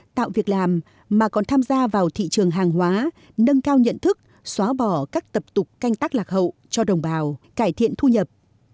tạo việc làm mà còn tham gia vào thị trường hàng hóa nâng cao nhận thức xóa bỏ các tập tục canh tác lạc hậu cho đồng bào cải thiện thu nhập